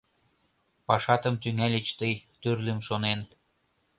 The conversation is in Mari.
Пашатым тӱҥальыч тый, тӱрлым шонен...